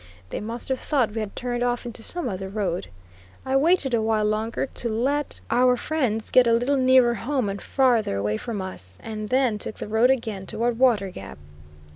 They must have thought we had turned off into some other road. I waited a while longer to let our friend's get a little nearer home and further away from us, and then took the road again toward Water Gap.